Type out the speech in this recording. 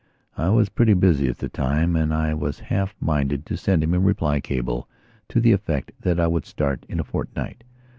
I was pretty busy at the time and I was half minded to send him a reply cable to the effect that I would start in a fortnight.